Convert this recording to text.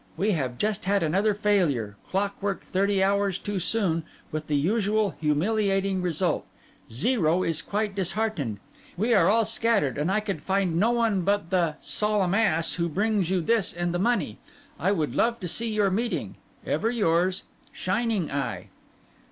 We have just had another failure, clockwork thirty hours too soon, with the usual humiliating result. Zero is quite disheartened. We are all scattered, and I could find no one but the solemn ass who brings you this and the money. I would love to see your meeting.—Ever yours, SHINING EYE.